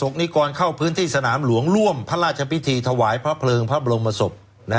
นิกรเข้าพื้นที่สนามหลวงร่วมพระราชพิธีถวายพระเพลิงพระบรมศพ